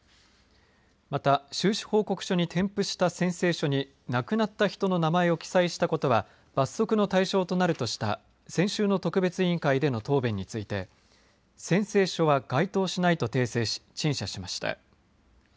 また、収支報告書に添付した宣誓書に亡くなった人の名前を記載したことは罰則の対象になるとした先週の特別委員会での答弁について宣誓書は該当しないと訂正し陳謝しました。